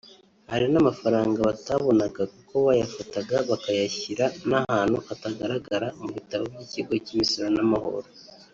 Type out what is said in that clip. Hari n’amafaranga batabonaga kuko bayafataga bakayashyira n’ahantu atagaragara mu bitabo by’Ikigo cy’Imisoro n’amahoro